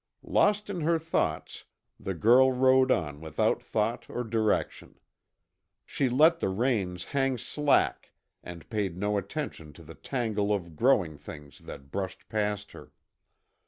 Lost in her thoughts, the girl rode on without thought or direction. She let the reins hang slack and paid no attention to the tangle of growing things that brushed past her.